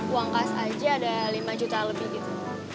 uang kas aja ada lima juta lebih gitu